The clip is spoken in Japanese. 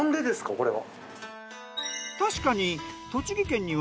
これは。